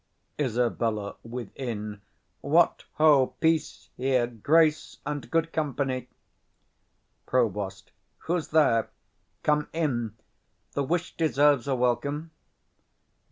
Isab. [within] What, ho! Peace here; grace and good company! Prov. Who's there? come in: the wish deserves a welcome.